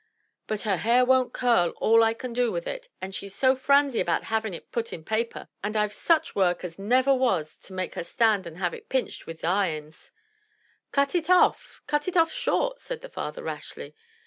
"But her hair won't curl all I can do with it, and she's so franzy about having it put i' paper, and I've such work as never was to make her stand and have it pinched with th' irons." "Cut it off — cut if off short," said the father rashly.